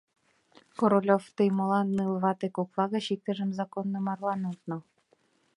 Королёв, тый молан ныл вате кокла гыч иктыжым законно марлан от нал?